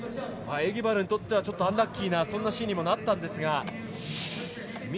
エギバルにとってはアンラッキーなそんなシーンにもなったんですが。